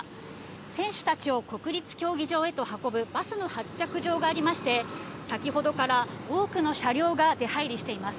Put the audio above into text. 選手たちを国立競技場へと運ぶバスの発着場がありまして、先ほどから多くの車両が出入りしています。